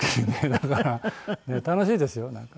だから楽しいですよなんか。